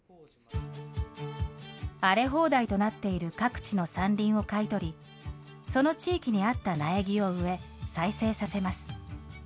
荒れ放題となっている各地の山林を買い取り、その地域に合った苗木を植え、再生させます。